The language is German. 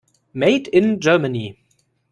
Made in Germany.